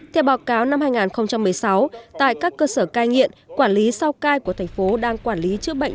theo báo cáo năm hai nghìn một mươi sáu tại các cơ sở cai nghiện quản lý sao cai của thành phố đang quản lý chữa bệnh